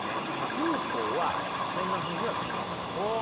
フーコーはそんなふうには考えなかったんです。